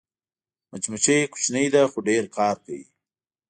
مچمچۍ کوچنۍ ده خو ډېر کار کوي